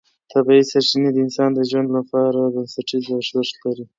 طبیعي سرچینې د انسان د ژوند لپاره بنسټیز ارزښت لري